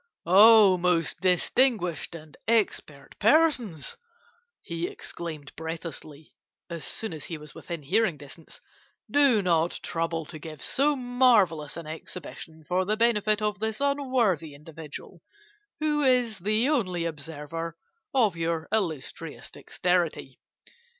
"'Oh, most distinguished and expert persons,' he exclaimed breathlessly, as soon as he was within hearing distance, 'do not trouble to give so marvellous an exhibition for the benefit of this unworthy individual, who is the only observer of your illustrious dexterity!